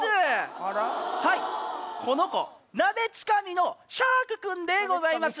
はいこの子鍋つかみのシャークくんでございます。